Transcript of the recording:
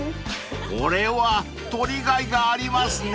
［これは撮りがいがありますね］